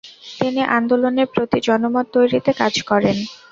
তিনি আন্দোলনের প্রতি জনমত তৈরিতে কাজ করেন।